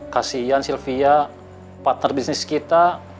kasian sylvia partner bisnis kita